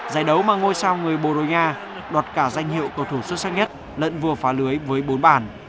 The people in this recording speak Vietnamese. giải đấu mà ngôi sao người borussia dortmund đọt cả danh hiệu cầu thủ xuất sắc nhất lẫn vừa phá lưới với bốn bản